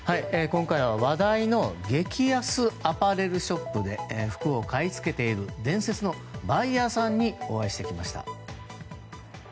今回は話題の激安アパレルショップで服を買い付けている伝説のバイヤーさんにお会いしてきました。